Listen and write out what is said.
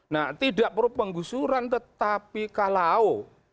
nah tidak perlu penggusuran tetapi kalau